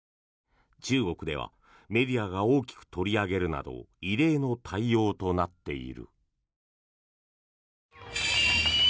中国ではメディアが大きく取り上げるなど異例の対応となっている。